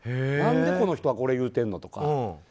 何でこの人はこれを言うてるの？とか。